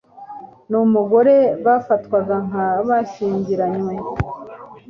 n'umugore bafatwaga nk'a bashyingiranywe